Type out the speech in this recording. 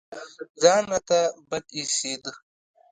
ځان راته بد اېسېد.